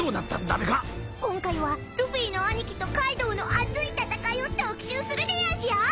今回はルフィの兄貴とカイドウの熱い戦いを特集するでやんすよ！